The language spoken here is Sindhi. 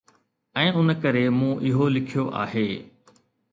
۽ ان ڪري مون اهو لکيو آهي